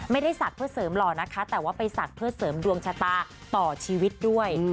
ศักดิ์เพื่อเสริมหล่อนะคะแต่ว่าไปศักดิ์เพื่อเสริมดวงชะตาต่อชีวิตด้วย